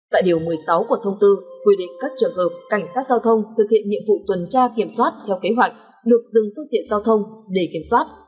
tại điều một mươi sáu của thông tư quy định các trường hợp cảnh sát giao thông thực hiện nhiệm vụ tuần tra kiểm soát theo kế hoạch được dừng phương tiện giao thông để kiểm soát